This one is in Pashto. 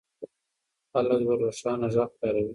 خلک به روښانه غږ کاروي.